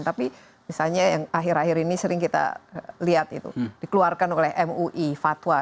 tapi misalnya yang akhir akhir ini sering kita lihat itu dikeluarkan oleh mui fatwa